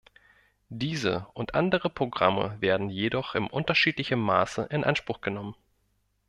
Diese und andere Programme werden jedoch in unterschiedlichem Maße in Anspruch genommen.